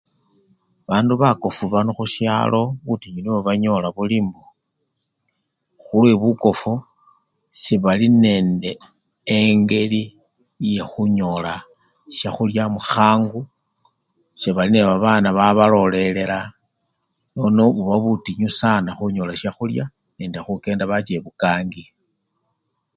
Bandu bakofu bano khusyalo, butinyu nibwo banyola buli mbo khulwe bukofu, sebali nende engeli yekhunyola syakhulya mukhangu, sebali nebabana babalolelela, nono bubabutinyu sana khunyola syakhulya nende khukenda bacha ebukangi.